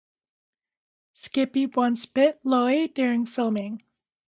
Skippy once bit Loy during filming.